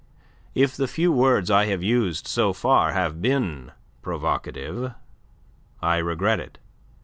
If the few words I have used so far have been provocative, I regret it.